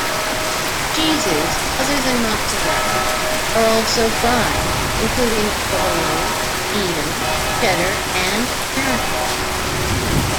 Cheeses other than mozzarella are also fried, including provolone, Edam, cheddar, and American.